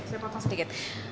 oke saya mau tanya sedikit